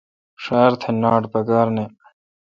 ݭار تھہ ناٹ پکار نہ۔